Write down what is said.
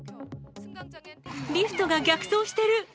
リフトが逆走してる。